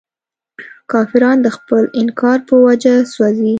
کافران د خپل انکار په وجه سوځي.